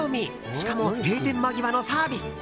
しかも閉店間際のサービス。